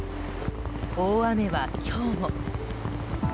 大雨は今日も。